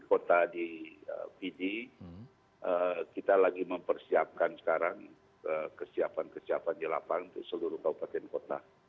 kota di fidi kita lagi mempersiapkan sekarang kesiapan kesiapan di lapangan untuk seluruh kabupaten kota